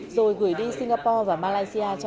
rồi gửi đi singapore và malaysia